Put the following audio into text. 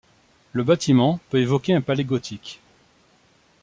Le bâtiment peut évoquer un palais gothique.